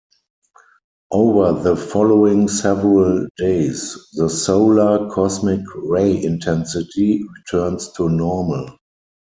Over the following several days, the solar cosmic ray intensity returns to normal.